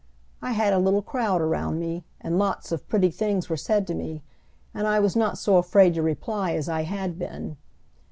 I had a little crowd around me, and lots of pretty things were said to me, and I was not so afraid to reply as I had been.